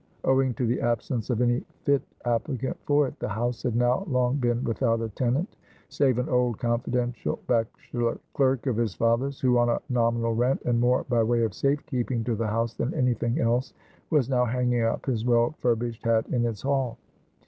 Owing to the absence of any fit applicant for it, the house had now long been without a tenant, save an old, confidential, bachelor clerk of his father's, who on a nominal rent, and more by way of safe keeping to the house than any thing else, was now hanging up his well furbished hat in its hall.